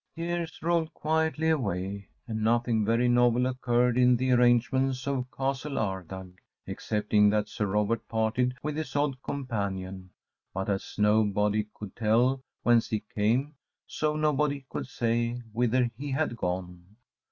Years rolled quietly away, and nothing very novel occurred in the arrangements of Castle Ardagh, excepting that Sir Robert parted with his odd companion, but as nobody could tell whence he came, so nobody could say whither he had gone.